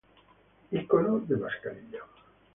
ícono de mascarilla